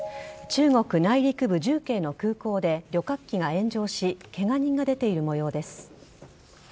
中国内陸部・重慶の空港で旅客機が炎上しケガ人が出ているもようです。